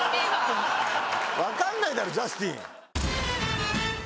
わかんないだろジャスティン。